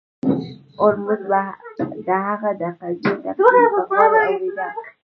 هولمز به د هغه د قضیو تفصیل په غور اوریده.